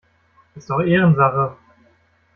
Ist doch Ehrensache!